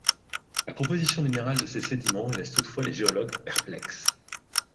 La composition minérale de ces sédiments laisse toutefois les géologues perplexes.